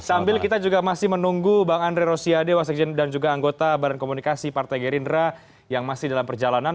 sambil kita juga masih menunggu bang andre rosiade wasekjen dan juga anggota badan komunikasi partai gerindra yang masih dalam perjalanan